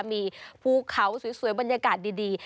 มีภูเขาสวยบรรยากาศดี